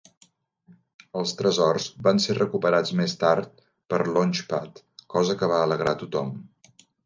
Els tresors van ser recuperats més tard per Launchpad, cosa que va alegrar tothom.